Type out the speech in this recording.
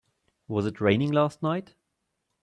Was it raining last night?